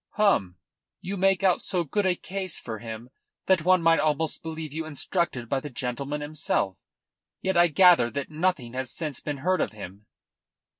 "Hum! You make out so good a case for him that one might almost believe you instructed by the gentleman himself. Yet I gather that nothing has since been heard of him?"